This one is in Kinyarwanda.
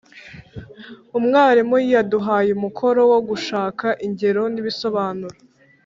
umwarimu yaduhaye umukoro wo gushaka ingero n'ibisobanuro